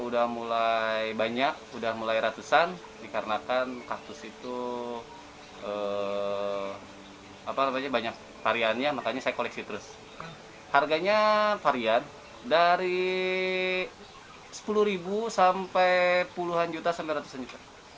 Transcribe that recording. dari sepuluh ribu sampai puluhan juta sampai ratusan juta